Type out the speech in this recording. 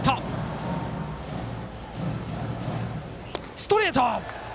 ストレート。